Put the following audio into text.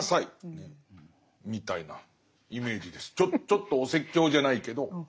ちょっとお説教じゃないけど。